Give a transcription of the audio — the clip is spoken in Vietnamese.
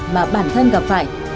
mà bản thân gặp phải